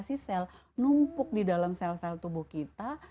si sel numpuk di dalam sel sel tubuh kita